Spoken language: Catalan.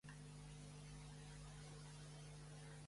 Amo sense ajuntar mai els llavis.